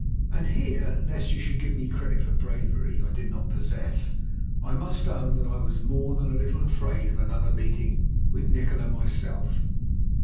And here, lest you should give me credit for a bravery I did not possess, I must own that I was more than a little afraid of another meeting with Nikola, myself.